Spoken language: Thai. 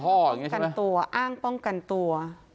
แบบนี้ใช่ไหมอ้างกันตัว